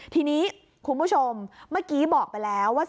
ทีนี้คุณผู้ชมเมื่อกี้บอกไปแล้วว่า